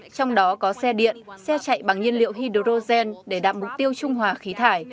trong đó có xe điện xe chạy bằng nhiên liệu hydrogen để đạt mục tiêu trung hòa khí thải